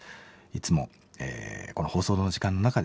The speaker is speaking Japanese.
いつもこの放送の時間の中でですね